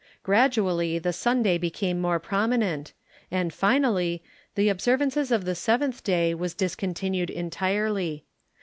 Gradually the Sunday became more prominent, and, finally, the observance of the seventh day was discontinued entirely.